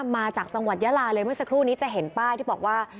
มาจากจังหวัดยาลาเลยเมื่อสักครู่นี้จะเห็นป้ายที่บอกว่า